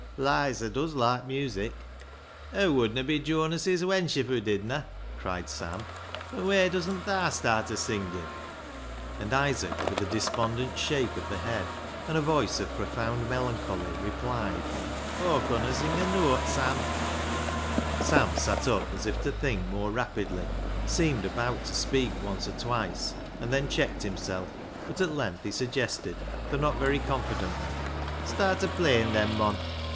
Lizer does loike music." " Hoo wouldna be Jonas's wench if hoo didna," cried Sam ;" but whey doesn't thaa start o' singin' ?" ISAAC'S ANGEL 247 And Isaac, with a despondent shake of the head and a voice of profound melancholy, replied —" Aw conna sing a nooat, Sam." Sam sat up, as if to think more rapidly, seemed about to speak once or twice, and then checked himself; but at length he suggested, though not very confidently —" Start o' playin' then, mon.